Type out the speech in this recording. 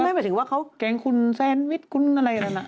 ไม่หมายถึงว่าเขาแกล้งคุณแซนวิทย์คุณอะไรแล้วนะ